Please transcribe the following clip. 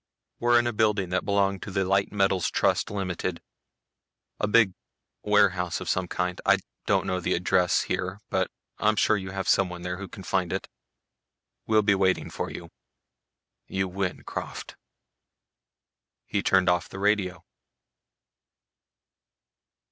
"We're in a building that belonged to the Light Metals Trust, Ltd., a big warehouse of some kind. I don't know the address here, but I'm sure you have someone there who can find it. We'll be waiting for you. You win, Krafft." He turned off the radio.